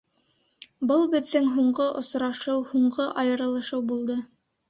Был беҙҙең һуңғы осрашыу, һуңғы айырылышыу булды.